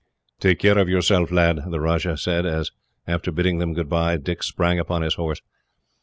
"Take care of yourself, lad," the Rajah said, as, after bidding them goodbye, Dick sprang upon his horse.